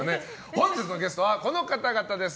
本日のゲストはこの方々です